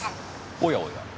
おやおや。